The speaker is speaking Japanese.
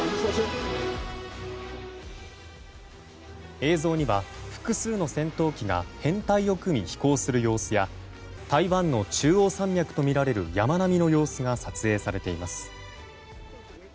映像には複数の戦闘機が編隊を組み飛行する様子や台湾の中央山脈とみられる山並みの様子が撮影されています。